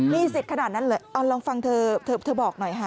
มีสิทธิ์ขนาดนั้นเลยเอาลองฟังเธอเธอบอกหน่อยค่ะ